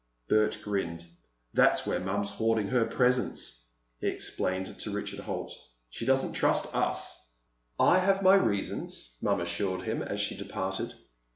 Bert grinned. "That's where Mom's hoarding her presents," he explained to Richard Holt. "She doesn't trust us." "I have my reasons," Mom assured him as she departed.